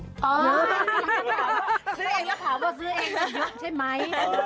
ซื้อเองแล้วถามว่าซื้อเองน่ะใช่ไหม